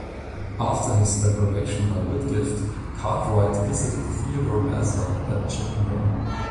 After his deprivation by Whitgift, Cartwright visited Theodore Beza at Geneva.